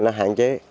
nó hạn chế